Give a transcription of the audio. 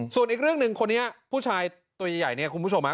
ส่วนอีกเรื่องหนึ่งคนนี้ผู้ชายตัวใหญ่เนี่ยคุณผู้ชมฮะ